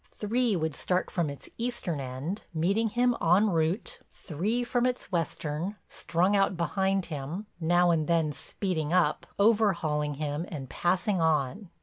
Three would start from its eastern end, meeting him en route, three from its western, strung out behind him, now and then speeding up, overhauling him and passing on.